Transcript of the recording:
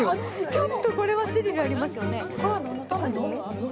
ちょっとこれはスリルがありますよね。